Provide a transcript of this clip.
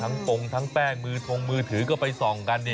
ทั้งตรงทางแป้งทรงมือถือก็ไปส่องกัน